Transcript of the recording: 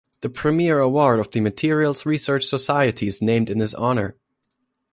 The premier award of the Materials Research Society is named in his honor.